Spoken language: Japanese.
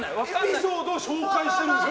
エピソードを紹介してるんでしょ？